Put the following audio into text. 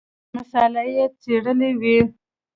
مساله یې څېړلې وي.